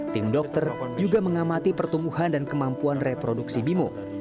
tim dokter juga mengamati pertumbuhan dan kemampuan reproduksi bimo